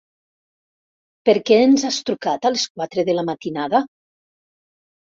Per què ens has trucat a les quatre de la matinada?